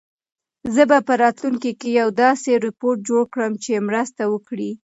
زه به په راتلونکي کې یو داسې روبوټ جوړ کړم چې مرسته وکړي.